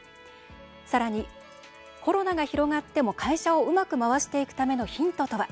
さらに、コロナが広がっても会社をうまく回していくためのヒントとは？